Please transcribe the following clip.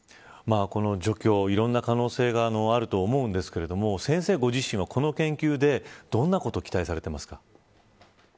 この除去、いろんな可能性があると思うんですけれども先生ご自身は、この研究でどんなことを期待されていますか。